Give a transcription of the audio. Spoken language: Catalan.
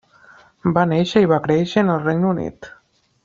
Va néixer i va créixer en el Regne Unit.